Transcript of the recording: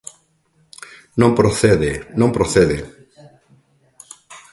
¡Non procede, non procede!